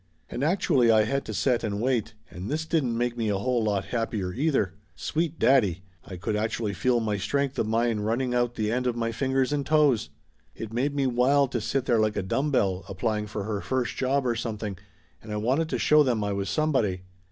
And actually I had to set and wait, and this didn't make me a whole lot happier, either. Sweet daddy! I could actually feel my strength of mind running out the 328 Laughter Limited end of my fingers and toes! It made me wild to sit there like a dumb bell applying for her first job or something, and I wanted to show them I was some body.